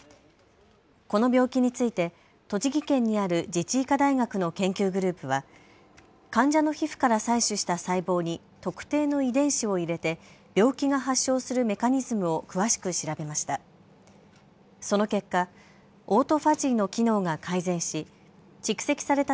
この病気について栃木県にある自治医科大学の研究グループは患者の皮膚から採取した細胞に特定の遺伝子を入れて病気が発症するメカニズムを詳しく調べました。